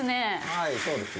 はい、そうです。